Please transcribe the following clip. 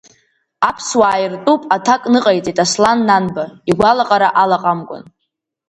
Аԥсуаа иртәуп, аҭак ныҟаиҵеит Аслан Нанба, игәалаҟара алаҟамкәан.